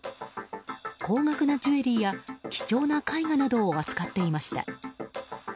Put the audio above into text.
高額なジュエリーや貴重な絵画などを扱っていました。